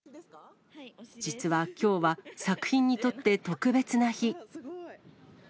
実はきょうは、作品にとって特別な日。